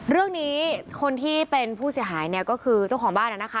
เรื่องนี้คนที่เป็นผู้เสียหายเนี่ยก็คือเจ้าของบ้านนะคะ